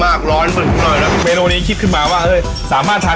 ร้อนไปหน่อยแล้วเมนูนี้คิดขึ้นมาว่าเฮ้ยสามารถทาน